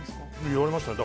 言われましたね。